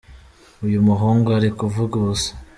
uyumuhungu arikuvuga ubusa